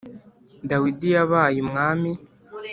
dawidi yabaye umwami